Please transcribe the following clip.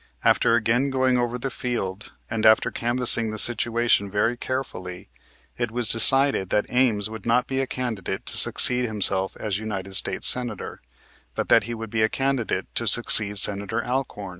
After again going over the field, and after canvassing the situation very carefully, it was decided that Ames would not be a candidate to succeed himself as United States Senator, but that he would be a candidate to succeed Senator Alcorn.